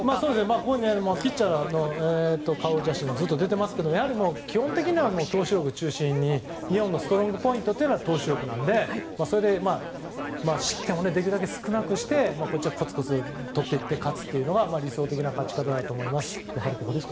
ここにピッチャーの顔写真がずっと出てますけど、基本的には投手力中心に日本のストロングポイントは投手力なので失点をできるだけ少なくしてこっちはコツコツとっていって勝つというのが理想的な勝ち方だと思います。